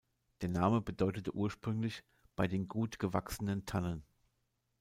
Der Name bedeutete ursprünglich „bei den gut gewachsenen Tannen“.